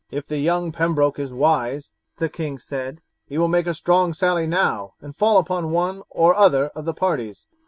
"If the young Pembroke is wise," the king said, "he will make a strong sally now and fall upon one or other of the parties."